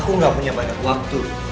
aku nggak punya banyak waktu